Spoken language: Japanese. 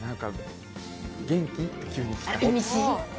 元気？って急に来て。